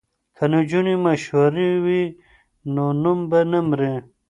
که نجونې مشهورې وي نو نوم به نه مري.